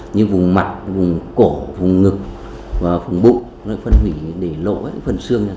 như vùng mặt vùng cổ vùng ngực vùng bụng phân hủy để lộ phần xương